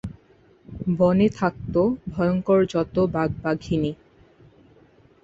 বনে থাকতো ভয়ঙ্কর যত বাঘ-বাঘিনী।